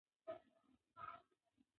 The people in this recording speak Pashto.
د شپې تقریباً یوه بجه وه.